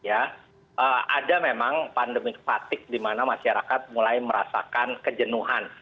ada memang pandemi kepatik di mana masyarakat mulai merasakan kejenuhan